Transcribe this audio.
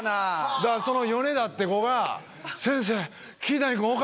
だからそのヨネダって子が「先生」。